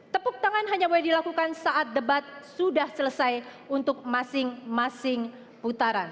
tepuk tangan hanya boleh dilakukan saat debat sudah selesai untuk masing masing putaran